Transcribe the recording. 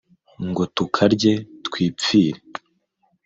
ngo tukarye twipfire